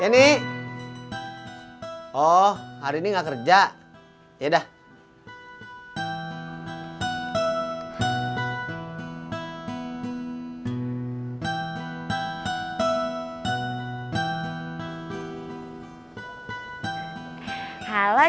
ntar siang beliin nasi padang ya bang